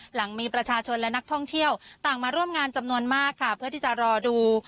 หลังมีประชาชนและนักท่องเที่ยวต่างมาร่วมงานจำนวนมากค่ะเพื่อที่จะรอดู